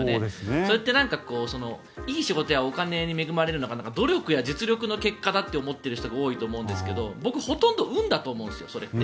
それっていい仕事やお金に恵まれるのが努力や実力の結果だって思ってる人が多いと思うんですが僕はほとんど運だと思うんですよそれって。